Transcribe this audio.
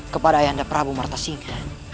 kepada ayah anda prabu marta singa